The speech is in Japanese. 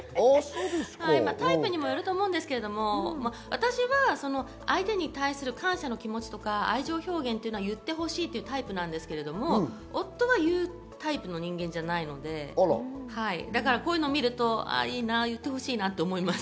タイプにもよると思いますけど、私は相手に対する感謝の気持ちとか愛情表現は言ってほしいタイプなんですけど、夫は言うタイプの人間じゃないので、こういうのを見るといいなぁ、言ってほしいなと思います。